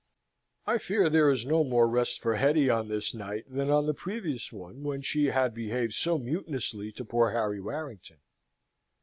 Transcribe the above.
I fear there is no more rest for Hetty on this night than on the previous one, when she had behaved so mutinously to poor Harry Warrington.